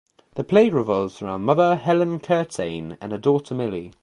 The play revolves around mother Helen Curtayne and her daughter Millie.